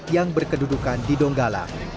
yang berkedudukan di donggala